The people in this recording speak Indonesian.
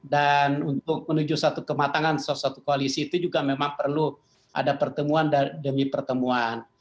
dan untuk menuju satu kematangan suatu koalisi itu juga memang perlu ada pertemuan demi pertemuan